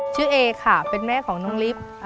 ชื่อเอคค่ะเป็นแม่ของนองลิฟค์